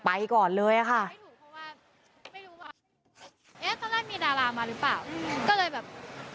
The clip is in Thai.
ทำอะไรไม่ถูกเพราะว่าไม่รู้ว่าตอนแรกมีดารามาหรือเปล่า